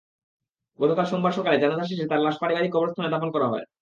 গতকাল সোমবার সকালে জানাজা শেষে তাঁর লাশ পারিবারিক কবরস্থানে দাফন করা হয়।